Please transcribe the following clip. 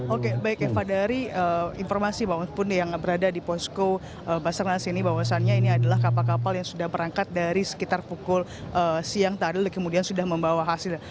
oke baik eva dari informasi yang berada di posko basarnas ini bahwasannya ini adalah kapal kapal yang sudah berangkat dari sekitar pukul siang tadi kemudian sudah membawa hasil